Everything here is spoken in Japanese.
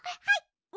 はい。